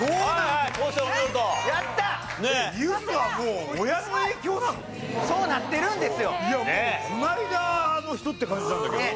いやもうこの間の人って感じなんだけど。